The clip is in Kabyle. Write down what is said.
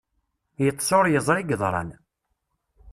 Yeṭṭes ur yeẓri i yeḍran.